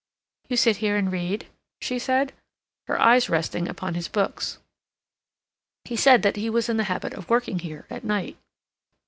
"You sit here and read?" she said, her eyes resting upon his books. He said that he was in the habit of working there at night.